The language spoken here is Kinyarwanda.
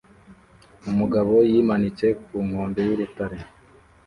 Umugabo yimanitse ku nkombe y'urutare